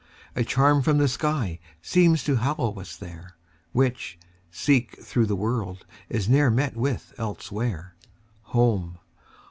A charm from the sky seems to hallow us there, Which, seek through the world, is ne'er met with elsewhere. Home!